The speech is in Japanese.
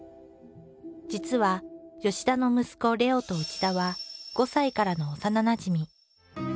実は田の息子玲雄と内田は５歳からの幼なじみ。